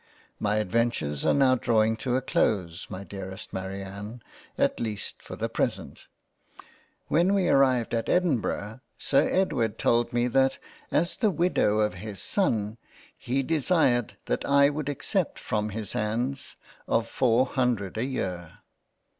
My adventures are now drawing to a close my dearest Marianne ; at least for the present. When we arrived at Edinburgh Sir Edward told me that as the Widow of his son, he desired I would accept from his H 41 ^ JANE AUSTEN Hands of four Hundred a year.